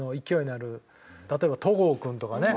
例えば戸郷君とかね。